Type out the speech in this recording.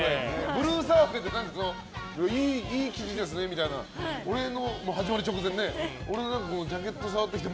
ブルー澤部でいい生地ですねみたいな始まる直前俺のジャケット触ってきて。